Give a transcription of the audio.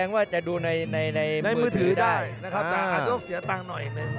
ว่าจะดูในมือถือได้นะครับแต่อาจจะต้องเสียตังค์หน่อยหนึ่ง